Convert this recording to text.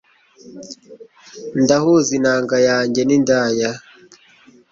ndahuza inanga yanjye nindaya